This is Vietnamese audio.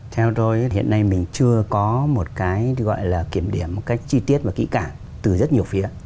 theo tôi hiện nay mình chưa có một cái gọi là kiểm điểm một cách chi tiết và kỹ cả từ rất nhiều phía